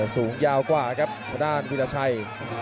สูงยาวกว่าครับด้านวิลชัย